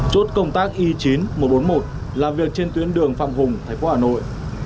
chốt công tác y chín nghìn một trăm bốn mươi một làm việc trên tuyến đường phạm hùng thành phố hà nội